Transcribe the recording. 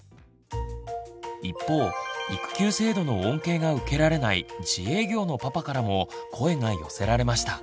一方育休制度の恩恵が受けられない自営業のパパからも声が寄せられました。